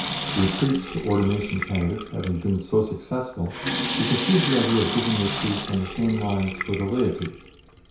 The retreats for ordination candidates having been so successful, he conceived the idea of giving retreats on the same lines for the laity.